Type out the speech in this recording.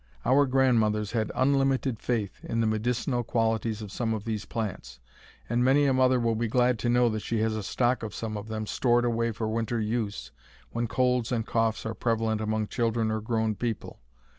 Our grandmothers had unlimited faith in the medicinal qualities of some of these plants, and many a mother will be glad to know that she has a stock of some of them stored away for winter use when colds and coughs are prevalent among children or grown people.